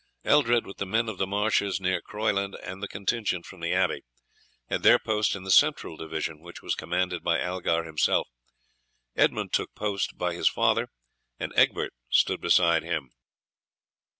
Eldred, with the men of the marshes near Croyland and the contingent from the abbey, had their post in the central division, which was commanded by Algar himself, Edmund took post by his father, and Egbert stood beside him.